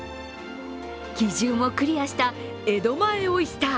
基準をクリアした江戸前オイスター。